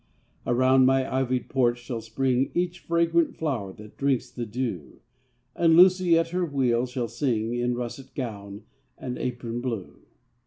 Around my ivy'd porch shall spring Each fragrant flower that drinks the dew; And Lucy, at her wheel, shall sing In russet gown and apron blue.